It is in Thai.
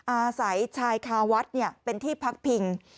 อาศัยชายคาวัดเป็นที่พักพิง